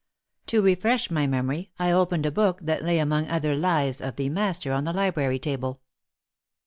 To refresh my memory, I opened a book that lay among other Lives of "the master" on the library table.